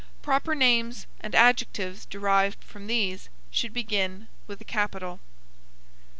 Proper names, and adjectives derived from these, should begin with a capital.